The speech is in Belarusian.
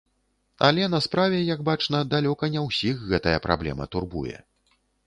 Але на справе, як бачна, далёка не ўсіх гэтая праблема турбуе.